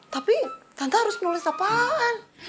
tapi tante harus nulis lapangan